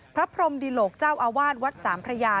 พระพรมดิโหลกเจ้าอาวาสวัดสามพระยา